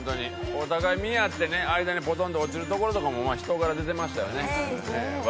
お互い見合ってね間にポトンと落ちるところとかも人柄が出てましたよね。